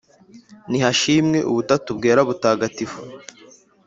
nihashimwe ubutatu bwera butagatifu